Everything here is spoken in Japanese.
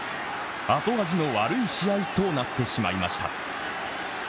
後味の悪い試合となってしまいました。